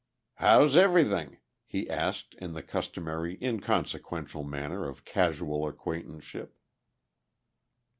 "How's everything?" he asked in the customary inconsequential manner of casual acquaintanceship.